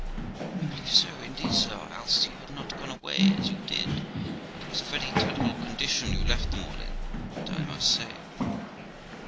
Amy. I believe so, indeed, sir, or else you had not gone away as you did ; for it was a very terrible condition you left them all in, that I must say.